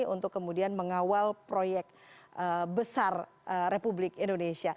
untuk kemudian mengawal proyek besar republik indonesia